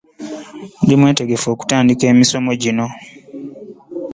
Ndi mwetegefu okutandika emisomo Gino.